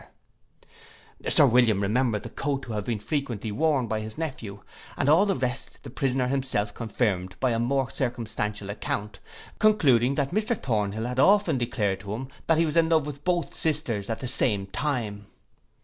Sir William remembered the coat to have been frequently worn by his nephew, and all the rest the prisoner himself confirmed by a more circumstantial account; concluding, that Mr Thornhill had often declared to him that he was in love with both sisters at the same time.